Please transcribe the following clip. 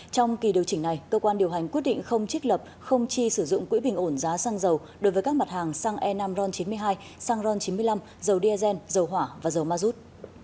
trong kỳ điều chỉnh này cơ quan điều hành quyết định không triết lập không chi sử dụng quỹ bình ổn giá xăng dầu đối với các mặt hàng xăng enamron chín mươi hai xăng ron chín mươi năm dầu diazen dầu hỏa và dầu ma rút